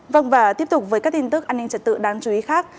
vâng và tiếp tục với các tin tức an ninh trật tự đáng chú ý khác